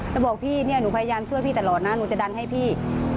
แล้วบอกพี่เนี่ยหนูพยายามช่วยพี่ตลอดนะหนูจะดันให้พี่